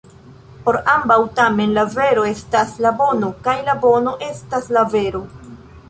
Por ambaŭ, tamen, la vero estas la bono, kaj la bono estas la vero.